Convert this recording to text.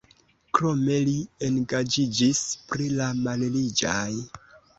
Krome li engaĝiĝis pri la malriĝaj.